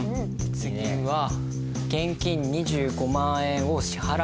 次は現金２５万円を支払ったから